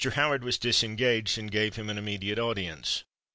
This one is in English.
Howard was disengaged, and gave him an immediate audience.